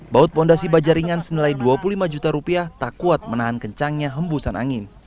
baut fondasi bajaringan senilai dua puluh lima juta rupiah tak kuat menahan kencangnya hembusan angin